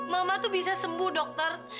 mama tuh bisa sembuh dokter